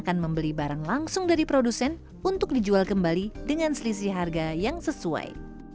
dan membeli barang langsung dari produsen untuk dijual kembali dengan selisih harga yang sesuai